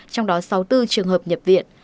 trong đó sáu mươi bốn trường hợp nhập chế